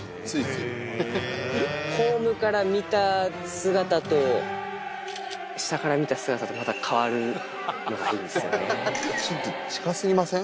ホームから見た姿と、下から見た姿と、また変わるのがいいでちょっと近すぎません？